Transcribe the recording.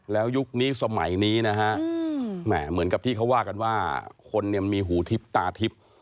แล้วยุคนี้สมัยนี้นะฮะเหมือนกับที่เขาว่ากันว่าคนเนี่ยมีหูทิพย์ตาทิพย์